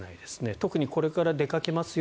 特にこれから出かけますよ